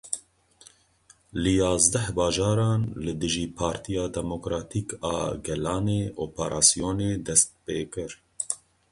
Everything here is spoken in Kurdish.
Li yazdeh bajaran li dijî Partiya Demokratîk a Gelanê operasyonê dest pê kir.